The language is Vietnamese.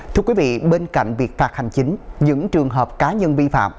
thưa quý vị bên cạnh việc phạt hành chính những trường hợp cá nhân vi phạm